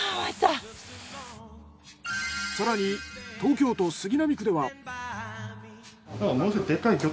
更に東京都杉並区では。